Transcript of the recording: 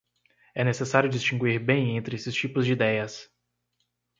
É necessário distinguir bem entre esses tipos de idéias.